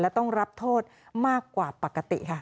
และต้องรับโทษมากกว่าปกติค่ะ